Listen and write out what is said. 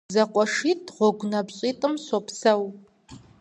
ЗэкъуэшитӀ гъуэгунапщӀитӀым щопсэу.